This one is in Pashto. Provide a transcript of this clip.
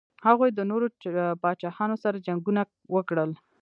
هغوی د نورو پاچاهانو سره جنګونه وکړل.